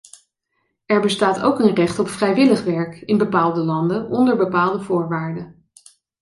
Er bestaat ook een recht op vrijwillig werk, in bepaalde landen, onder bepaalde voorwaarden.